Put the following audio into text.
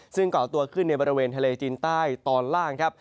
ซึ่งก่อตัวขึ้นในบริเวณทะเลจีนใต้ตอนล่างครับ